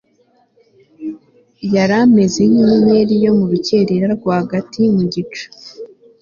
yari ameze nk'inyenyeri yo mu rukerera rwagati mu gicu